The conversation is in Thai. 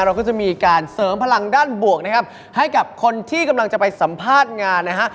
เราก็จะมีการเสริมพลังด้านบวกนะครับให้กับคนที่กำลังจะไปสัมภาษณ์งานนะฮะ